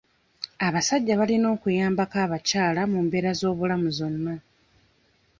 Abasajja balina okuyambako abakyala mu mbeera z'obulamu zonna.